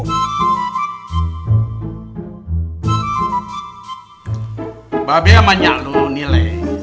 mbak be sama nyanggo nih leh